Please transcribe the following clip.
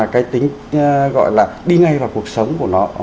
cái tính gọi là đi ngay vào cuộc sống của nó